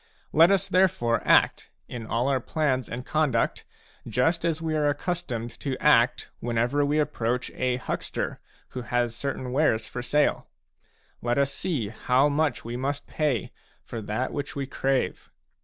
Let us therefore act, in all our plans and conduct, just as we are accustomed to act whenever we approach a huckster who has certain wares for sale ; let us see how much we must pay for that which we crave.